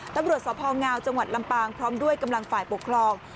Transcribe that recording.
ตำรวจสพงจังหวัดลำปางพร้อมด้วยกำลังฝ่ายปกครอง